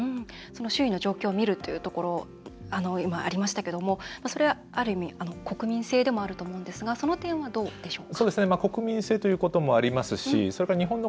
周囲の状況を見るというところが今、ありましたけれどもある意味、国民性でもあると思うんですが、その点はどうでしょうか。